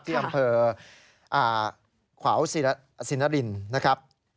ที่อำเภอขวาวสินรินนะครับ